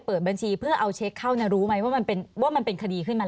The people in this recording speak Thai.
เปิดบัญชีเพื่อเอาเช็คเข้ารู้ไหมว่ามันเป็นว่ามันเป็นคดีขึ้นมา